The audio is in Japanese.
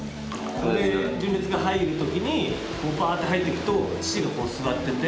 で純烈が入る時にバーって入っていくと父が座ってて。